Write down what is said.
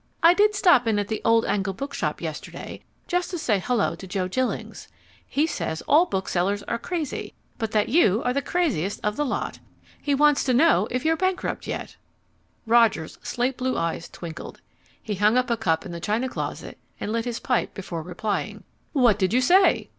I did stop in at the Old Angle Book Shop yesterday, just to say hullo to Joe Jillings. He says all booksellers are crazy, but that you are the craziest of the lot. He wants to know if you're bankrupt yet." Roger's slate blue eyes twinkled. He hung up a cup in the china closet and lit his pipe before replying. "What did you say?"